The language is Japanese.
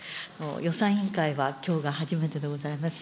予算委員会はきょうが初めてでございます。